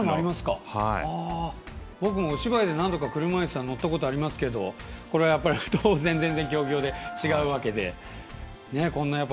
僕もお芝居で何度か車いすは乗ったことがありますけどこれはやっぱり当然、全然競技用で違うわけで。